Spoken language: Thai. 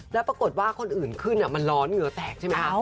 แล้วปรากฏว่าคนอื่นขึ้นมันร้อนเหงื่อแตกใช่ไหมคะ